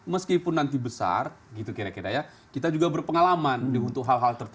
meskipun nanti besar gitu kira kira ya kita juga berpengalaman untuk hal hal tertentu